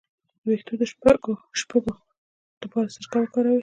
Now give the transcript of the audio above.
د ویښتو د شپږو لپاره سرکه وکاروئ